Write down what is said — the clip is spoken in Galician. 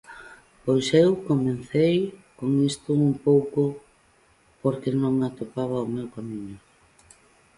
Pois eu comecei con isto un pouco porque non atopaba o meu camiño.